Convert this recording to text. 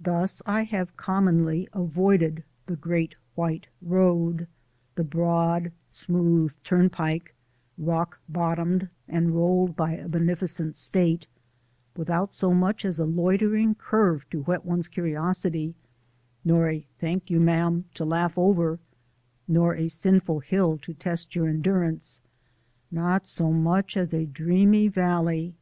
Thus I have commonly avoided the Great White Road the broad, smooth turnpike rock bottomed and rolled by a State without so much as a loitering curve to whet one's curiosity, nor a thank you ma'am to laugh over, nor a sinful hill to test your endurance not so much as a dreamy valley!